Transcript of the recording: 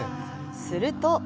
すると。